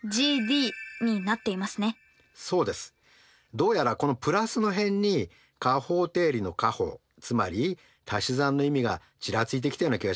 どうやらこの＋の辺に加法定理の加法つまりたし算の意味がちらついてきたような気がしますよね。